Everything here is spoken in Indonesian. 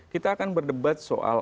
kita akan berdebat soal